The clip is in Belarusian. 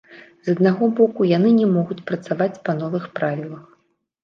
З аднаго боку, яны не могуць працаваць па новых правілах.